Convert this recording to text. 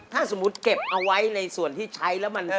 ถ้าสมมุติเก็บเอาไว้ในส่วนที่ใช้แล้วมัน